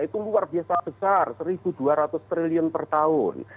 itu luar biasa besar seribu dua ratus triliun per tahun